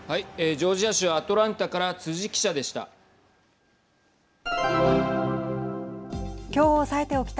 ジョージア州アトランタから辻記者でした。